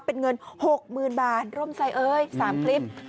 เป็นเงิน๖๐๐๐บาทร่มใส่เอ้ย๓คลิป